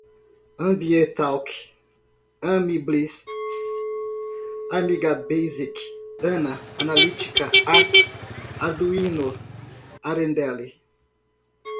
ambienttalk, amiblitz, amigabasic, ana, analytica, arc, arduino, arendelle